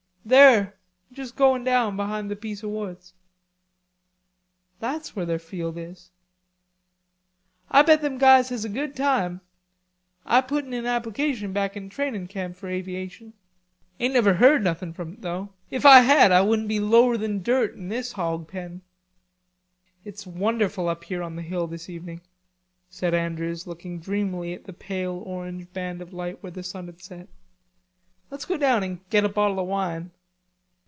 "There, just goin' down behind the piece o' woods." "That's where their field is." "Ah bet them guys has a good time. Ah put in an application back in trainin' camp for Aviation. Ain't never heard nothing from it though. If Ah had, Ah wouldn't be lower than dirt in this hawg pen." "It's wonderful up here on the hill this evening," said Andrews, looking dreamily at the pale orange band of light where the sun had set. "Let's go down and get a bottle of wine."